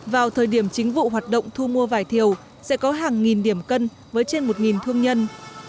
vào thời điểm chính vụ hoạt động thu mua vải thiều sẽ có hàng nghìn điểm cân với trên một thương nhân